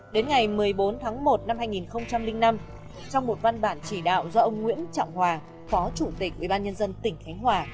đến ngày một mươi bốn tháng một năm hai nghìn năm trong một văn bản chỉ đạo do ông nguyễn trọng hòa phó chủ tịch ubnd tỉnh khánh hòa